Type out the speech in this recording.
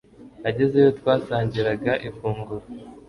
Agezeyo twasangiraga ifunguro